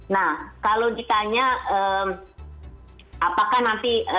nah kalau ditanya apakah nanti